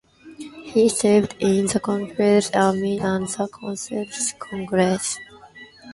He served in the Continental Army and the Continental Congress.